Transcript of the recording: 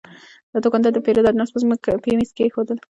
دا دوکاندار د پیرود اجناس په میز کې کېښودل.